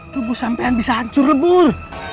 tubuh sampaian bisa hancur lebur